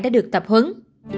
đã được tập hứng